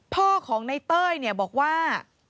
พ่อของในเต้ยเนี่ยบอกว่า